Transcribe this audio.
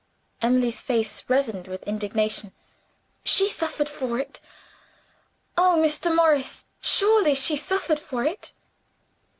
Emily's face reddened with indignation. "She suffered for it? Oh, Mr. Morris, surely she suffered for it?"